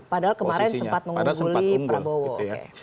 padahal kemarin sempat mengungguli prabowo